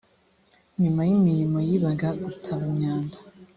nyuma y imirimo y ibaga gutaba imyanda